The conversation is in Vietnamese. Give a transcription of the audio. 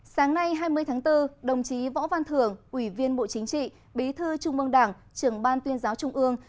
sáng nay hai mươi tháng bốn đồng chí võ văn thưởng ủy viên bộ chính trị bí thư trung mương đảng trưởng ban tuyên giáo trung ương